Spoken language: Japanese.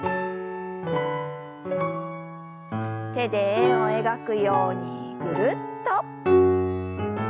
手で円を描くようにぐるっと。